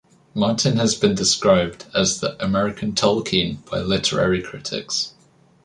Martin has been described as "the American Tolkien" by literary critics.